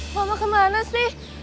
mama kemana sih